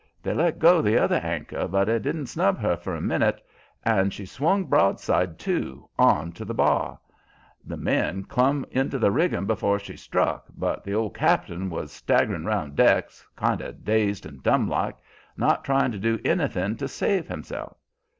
They let go the other anchor, but it didn't snub her for a minute, and she swung, broadside to, on to the bar. The men clum into the riggin' before she struck, but the old cap'n was staggerin' 'round decks, kind o' dazed and dumb like, not tryin' to do anythin' to save himself.